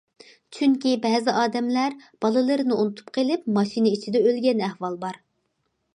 چۈنكى بەزى ئادەملەر بالىلىرىنى ئۇنتۇپ قېلىپ ماشىنا ئىچىدە ئۆلگەن ئەھۋال بار.